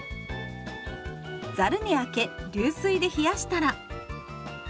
ざるにあけ流水で冷やしたら。